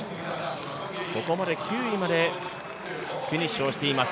ここまで９位までフィニッシュをしています。